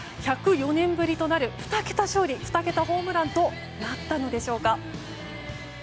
１０４年ぶりとなる２桁勝利２桁ホームランとなったのでしょうか。